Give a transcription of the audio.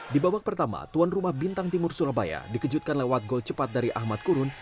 di babak pertama tuan rumah bintang timur surabaya dikejutkan lewat gol cepat dari ahmad kurun